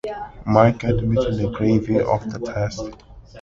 Mike quite admitted the gravity of the task.